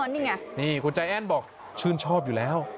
นี่ไงนี่คุณใจแอ้นบอกชื่นชอบอยู่แล้ว